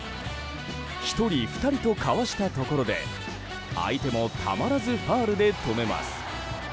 １人、２人とかわしたところで相手もたまらずファウルで止めます。